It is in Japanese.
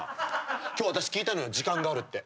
今日私聞いたのよ時間があるって。